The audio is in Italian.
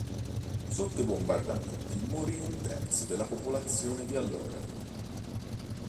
Sotto i bombardamenti morì un terzo della popolazione di allora.